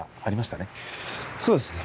そうですね。